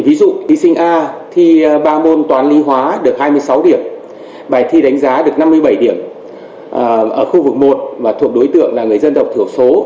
ví dụ thí sinh a thi ba môn toàn ly hóa được hai mươi sáu điểm bài thi đánh giá được năm mươi bảy điểm ở khu vực một thuộc đối tượng là người dân độc thử số